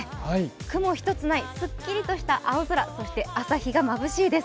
雲一つないすっきりとした青空そして朝日がまぶしいです。